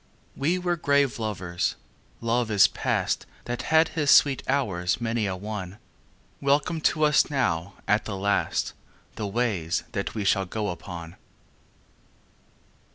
We were grave lovers. Love is past That had his sweet hours many a one; Welcome to us now at the last The ways that we shall go upon.